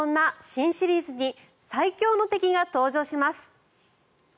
新シリーズに最強の敵が登場します。